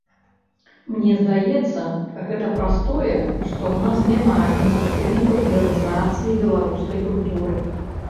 Мне здаецца, гэта праз тое, што ў нас няма індустрыі папулярызацыі беларускай культуры.